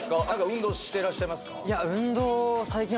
運動してらっしゃいますか？